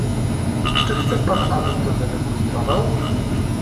"Czy chce pan abym to zademonstrował?"